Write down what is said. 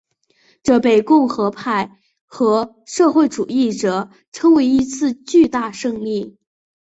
这被共和派和社会主义者称为一次巨大胜利。